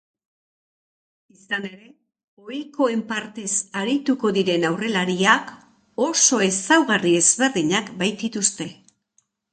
Izan ere, ohikoen partez arituko diren aurrelariak oso ezaugarri ezberdinak baitituzte.